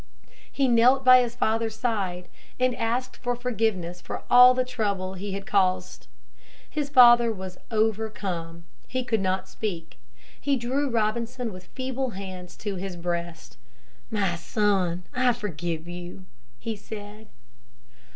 He knelt by his father's side and asked forgiveness for all the trouble he had caused. His father was overcome. He could not speak. He drew Robinson with feeble hands to his breast. "My son, I forgive you," he said.